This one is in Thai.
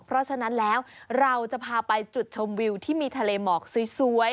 เพราะฉะนั้นแล้วเราจะพาไปจุดชมวิวที่มีทะเลหมอกสวย